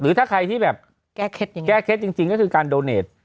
หรือถ้าใครที่แบบแก้เค็ดจริงก็คือการโดเนต